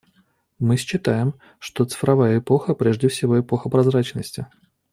Мы считаем, что цифровая эпоха — это прежде всего эпоха прозрачности.